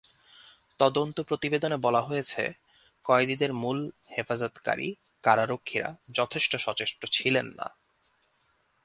তদন্ত প্রতিবেদনে বলা হয়েছে, কয়েদিদের মূল হেফাজতকারী কারারক্ষীরা যথেষ্ট সচেষ্ট ছিলেন না।